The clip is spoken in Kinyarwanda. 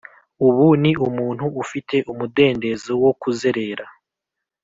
ubu ni umuntu ufite umudendezo wo kuzerera,